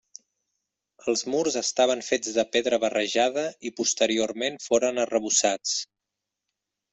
Els murs estaven fets de pedra barrejada i posteriorment foren arrebossats.